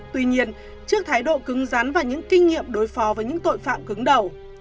tuy nhiên trước thái độ cứng rắn và những kinh nghiệm đối phó với những tội phạm cứng đầu